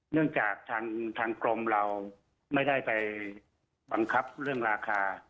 เนื่องจากทางกรมเราไม่ได้ไปบังคับเรื่องราคา